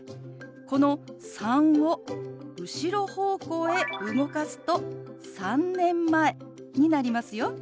この「３」を後ろ方向へ動かすと「３年前」になりますよ。